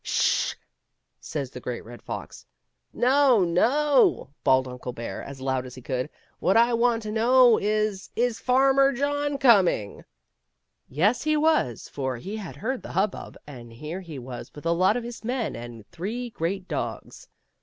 " Sh h h h !" says the Great Red Fox. " No, no," bawled Uncle Bear, as loud as he could, " what I want to know is, is Farmer John coming?" C^^Bear (I t^^o:r go to farmer Jo^'^agaitu Yes, he was, for he had heard the hubbub, and here he was with a lot of his men and three great dogs.